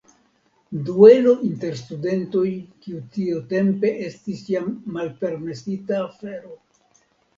Duelo inter studentoj kiu tiutempe estis jam malpermesita afero.